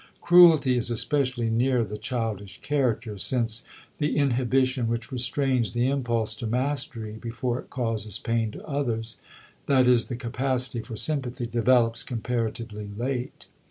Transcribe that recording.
Cruelty is especially near the childish character, since the inhibition which restrains the impulse to mastery before it causes pain to others that is, the capacity for sympathy develops comparatively late.